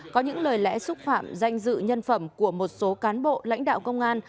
có những lời lẽ xúc phạm danh dự nhân phẩm của một số cán bộ lãnh đạo công an